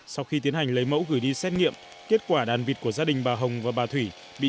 sau khi tiến hành lấy mẫu gửi đi xét nghiệm kết quả đàn vịt của gia đình bà hồng và bà thủy